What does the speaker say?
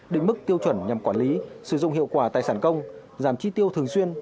định mức tiêu chuẩn nhằm quản lý sử dụng hiệu quả tài sản công giảm chi tiêu thường xuyên